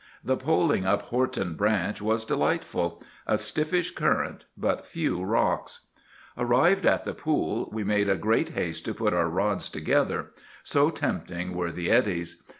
The poling up Horton Branch was delightful,—a stiffish current, but few rocks. Arrived at the pool we made great haste to put our rods together, so tempting were the eddies.